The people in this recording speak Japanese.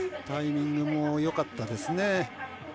タイミングもよかったですね。